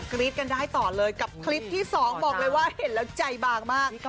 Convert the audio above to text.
รี๊ดกันได้ต่อเลยกับคลิปที่๒บอกเลยว่าเห็นแล้วใจบางมาก